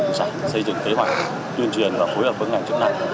chỉ dụng hải sản xây dựng kế hoạch tuyên truyền và phối hợp với ngành chức năng